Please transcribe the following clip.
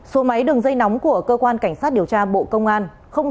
số máy đường dây nóng của cơ quan cảnh sát điều tra bộ công an